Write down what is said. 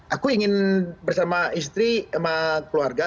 aku ingin bersama istri sama keluarga